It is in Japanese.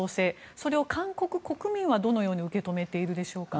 それを韓国国民はどのように受け止めていますか。